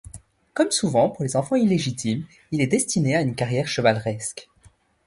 Comme souvent pour les enfants illégitimes, il est destiné à une carrière chevaleresque.